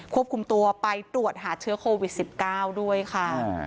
ควบคุมตัวไปตรวจหาเชื้อโควิด๑๙ด้วยค่ะ